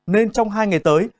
nên trong hai ngày tới